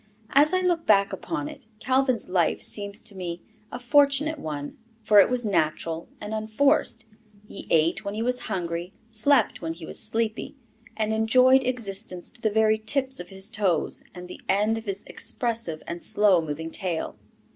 As I look back upon it, Calvin's life seems to me a fortunate one, for it was natural and unforced. He ate when he was hungry, slept when he was sleepy, and enjoyed existence to the very tips of his toes and the end of his expressive and slow moving tail.